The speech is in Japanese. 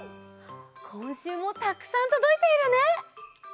こんしゅうもたくさんとどいているね！